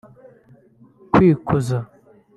kwikuza